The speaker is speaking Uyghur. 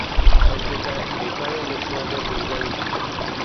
ئەسلىدە ھېكايە مۇشۇ يەردە تۈگىگەن ئىدى.